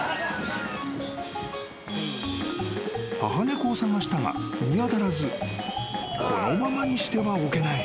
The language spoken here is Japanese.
［母猫を捜したが見当たらずこのままにしてはおけない］